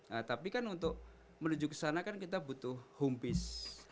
nah tapi kan untuk menuju ke sana kan kita butuh home base